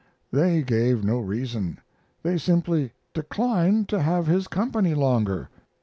They gave no reason. They simply declined to have his company longer.